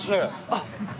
あっ。